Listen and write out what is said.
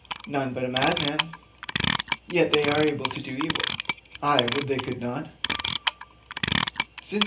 'None but a madman.' 'Yet they are able to do evil?' 'Ay; would they could not!'